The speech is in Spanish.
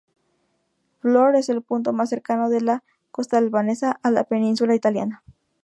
Vlorë es el punto más cercano de la costa albanesa a la península italiana.